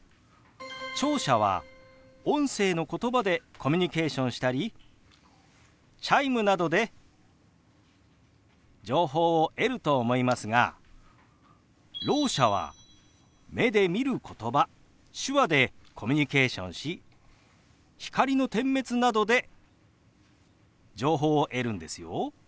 聴者は音声のことばでコミュニケーションしたりチャイムなどで情報を得ると思いますがろう者は目で見ることば手話でコミュニケーションし光の点滅などで情報を得るんですよ。